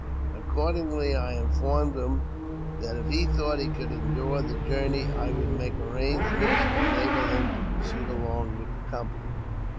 Accordingly, I informed him that if he thought he could endure the journey, I would make arrangements to enable him to proceed along with the company.